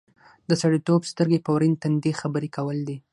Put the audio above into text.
د سړیتوب سترګې په ورین تندي خبرې کول دي.